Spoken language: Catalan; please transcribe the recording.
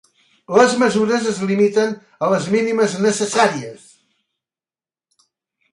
Les mesures es limiten a les mínimes necessàries.